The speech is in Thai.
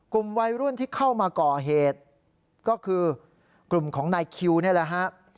กลุ่มวัยรุ่นที่เข้ามาก่อเหตุก็คือกลุ่มของนายคิวนี่แหละฮะ